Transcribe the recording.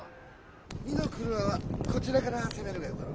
二ノ郭はこちらから攻めるがよかろう。